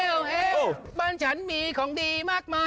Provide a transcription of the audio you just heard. เอ้วเอ้วเอ้วบ้านฉันมีของดีมากมาย